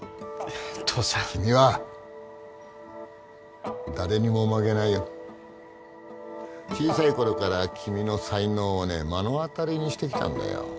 父さん君は誰にも負けないよ小さい頃から君の才能をね目の当たりにしてきたんだよ